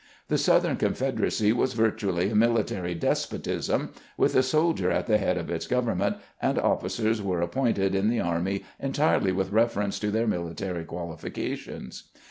The Southern Confederacy was virtually a military despotism, with a soldier at the head of its government, and officers were appointed in the army entirely with reference to their military qualifications.